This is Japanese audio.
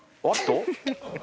あっと？